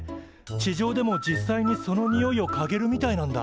地上でも実際にそのにおいをかげるみたいなんだ。